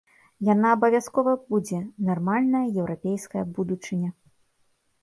Яна абавязкова будзе, нармальная еўрапейская будучыня.